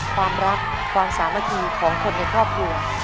ความรักความสามัคคีของคนในครอบครัว